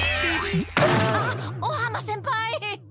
あっ尾浜先輩！